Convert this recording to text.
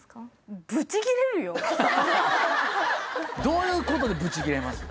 どういうことでブチギレます？